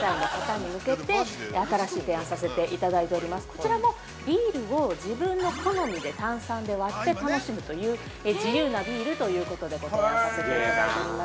こちらもビールを自分の好みで炭酸で割って楽しむという、自由なビールということでございます。